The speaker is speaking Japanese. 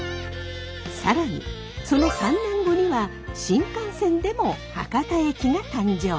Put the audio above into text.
更にその３年後には新幹線でも博多駅が誕生。